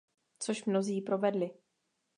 Což mnozí provedli.